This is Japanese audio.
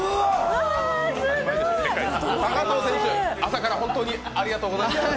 高藤選手、朝から本当にありがとうございます。